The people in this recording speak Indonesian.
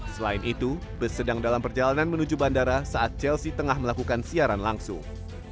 selain itu bus sedang dalam perjalanan menuju bandara saat chelsea tengah melakukan siaran langsung